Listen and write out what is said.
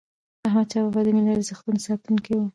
احمدشاه بابا د ملي ارزښتونو ساتونکی و.